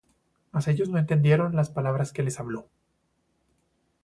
Mas ellos no entendieron las palabras que les habló.